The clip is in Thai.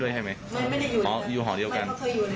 แต่เขาไม่เคยมีศัตรูที่ไหน